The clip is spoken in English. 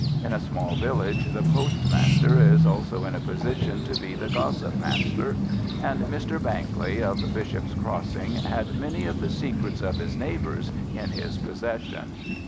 In a small village the postmaster is also in a position to be the gossip master, and Mr. Bankley, of Bishop's Crossing, had many of the secrets of his neighbours in his possession.